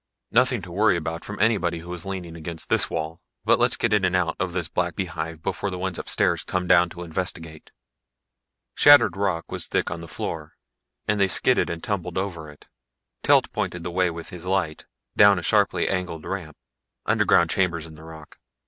"Nothing to worry about from anybody who was leaning against this wall. But let's get in and out of this black beehive before the ones upstairs come down to investigate." Shattered rock was thick on the floor, and they skidded and tumbled over it. Telt pointed the way with his light, down a sharply angled ramp. "Underground chambers in the rock.